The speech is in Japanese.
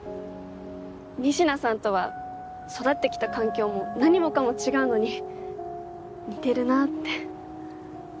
仁科さんとは育ってきた環境も何もかも違うのに似てるなって。